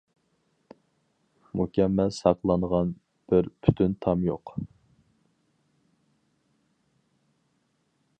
مۇكەممەل ساقلانغان بىر پۈتۈن تام يوق.